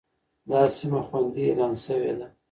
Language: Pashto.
دا سيمه خوندي اعلان شوې ده.